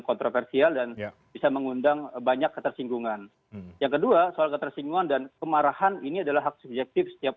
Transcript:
kontroversial dan bisa mengundang banyak ketersinggungan yang kedua soal ketersinggungan dan